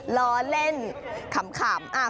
ล้อเล่นขำ